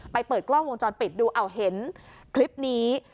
เปิดกล้องวงจรปิดดูเอาเห็นคลิปนี้